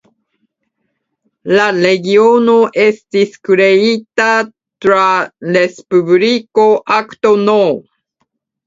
La regiono estis kreita tra Respubliko Akto No.